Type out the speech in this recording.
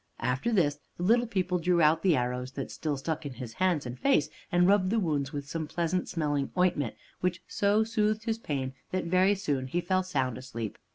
After this, the little people drew out the arrows that still stuck in his hands and face, and rubbed the wounds with some pleasant smelling ointment, which so soothed his pain that very soon he fell sound asleep.